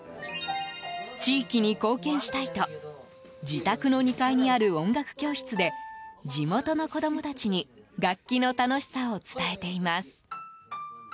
地域に貢献したいと自宅の２階にある音楽教室で地元の子供たちに楽器の楽しさを伝えています。